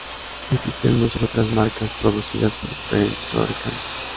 Existen muchas otras marcas producidas por diferentes fabricantes.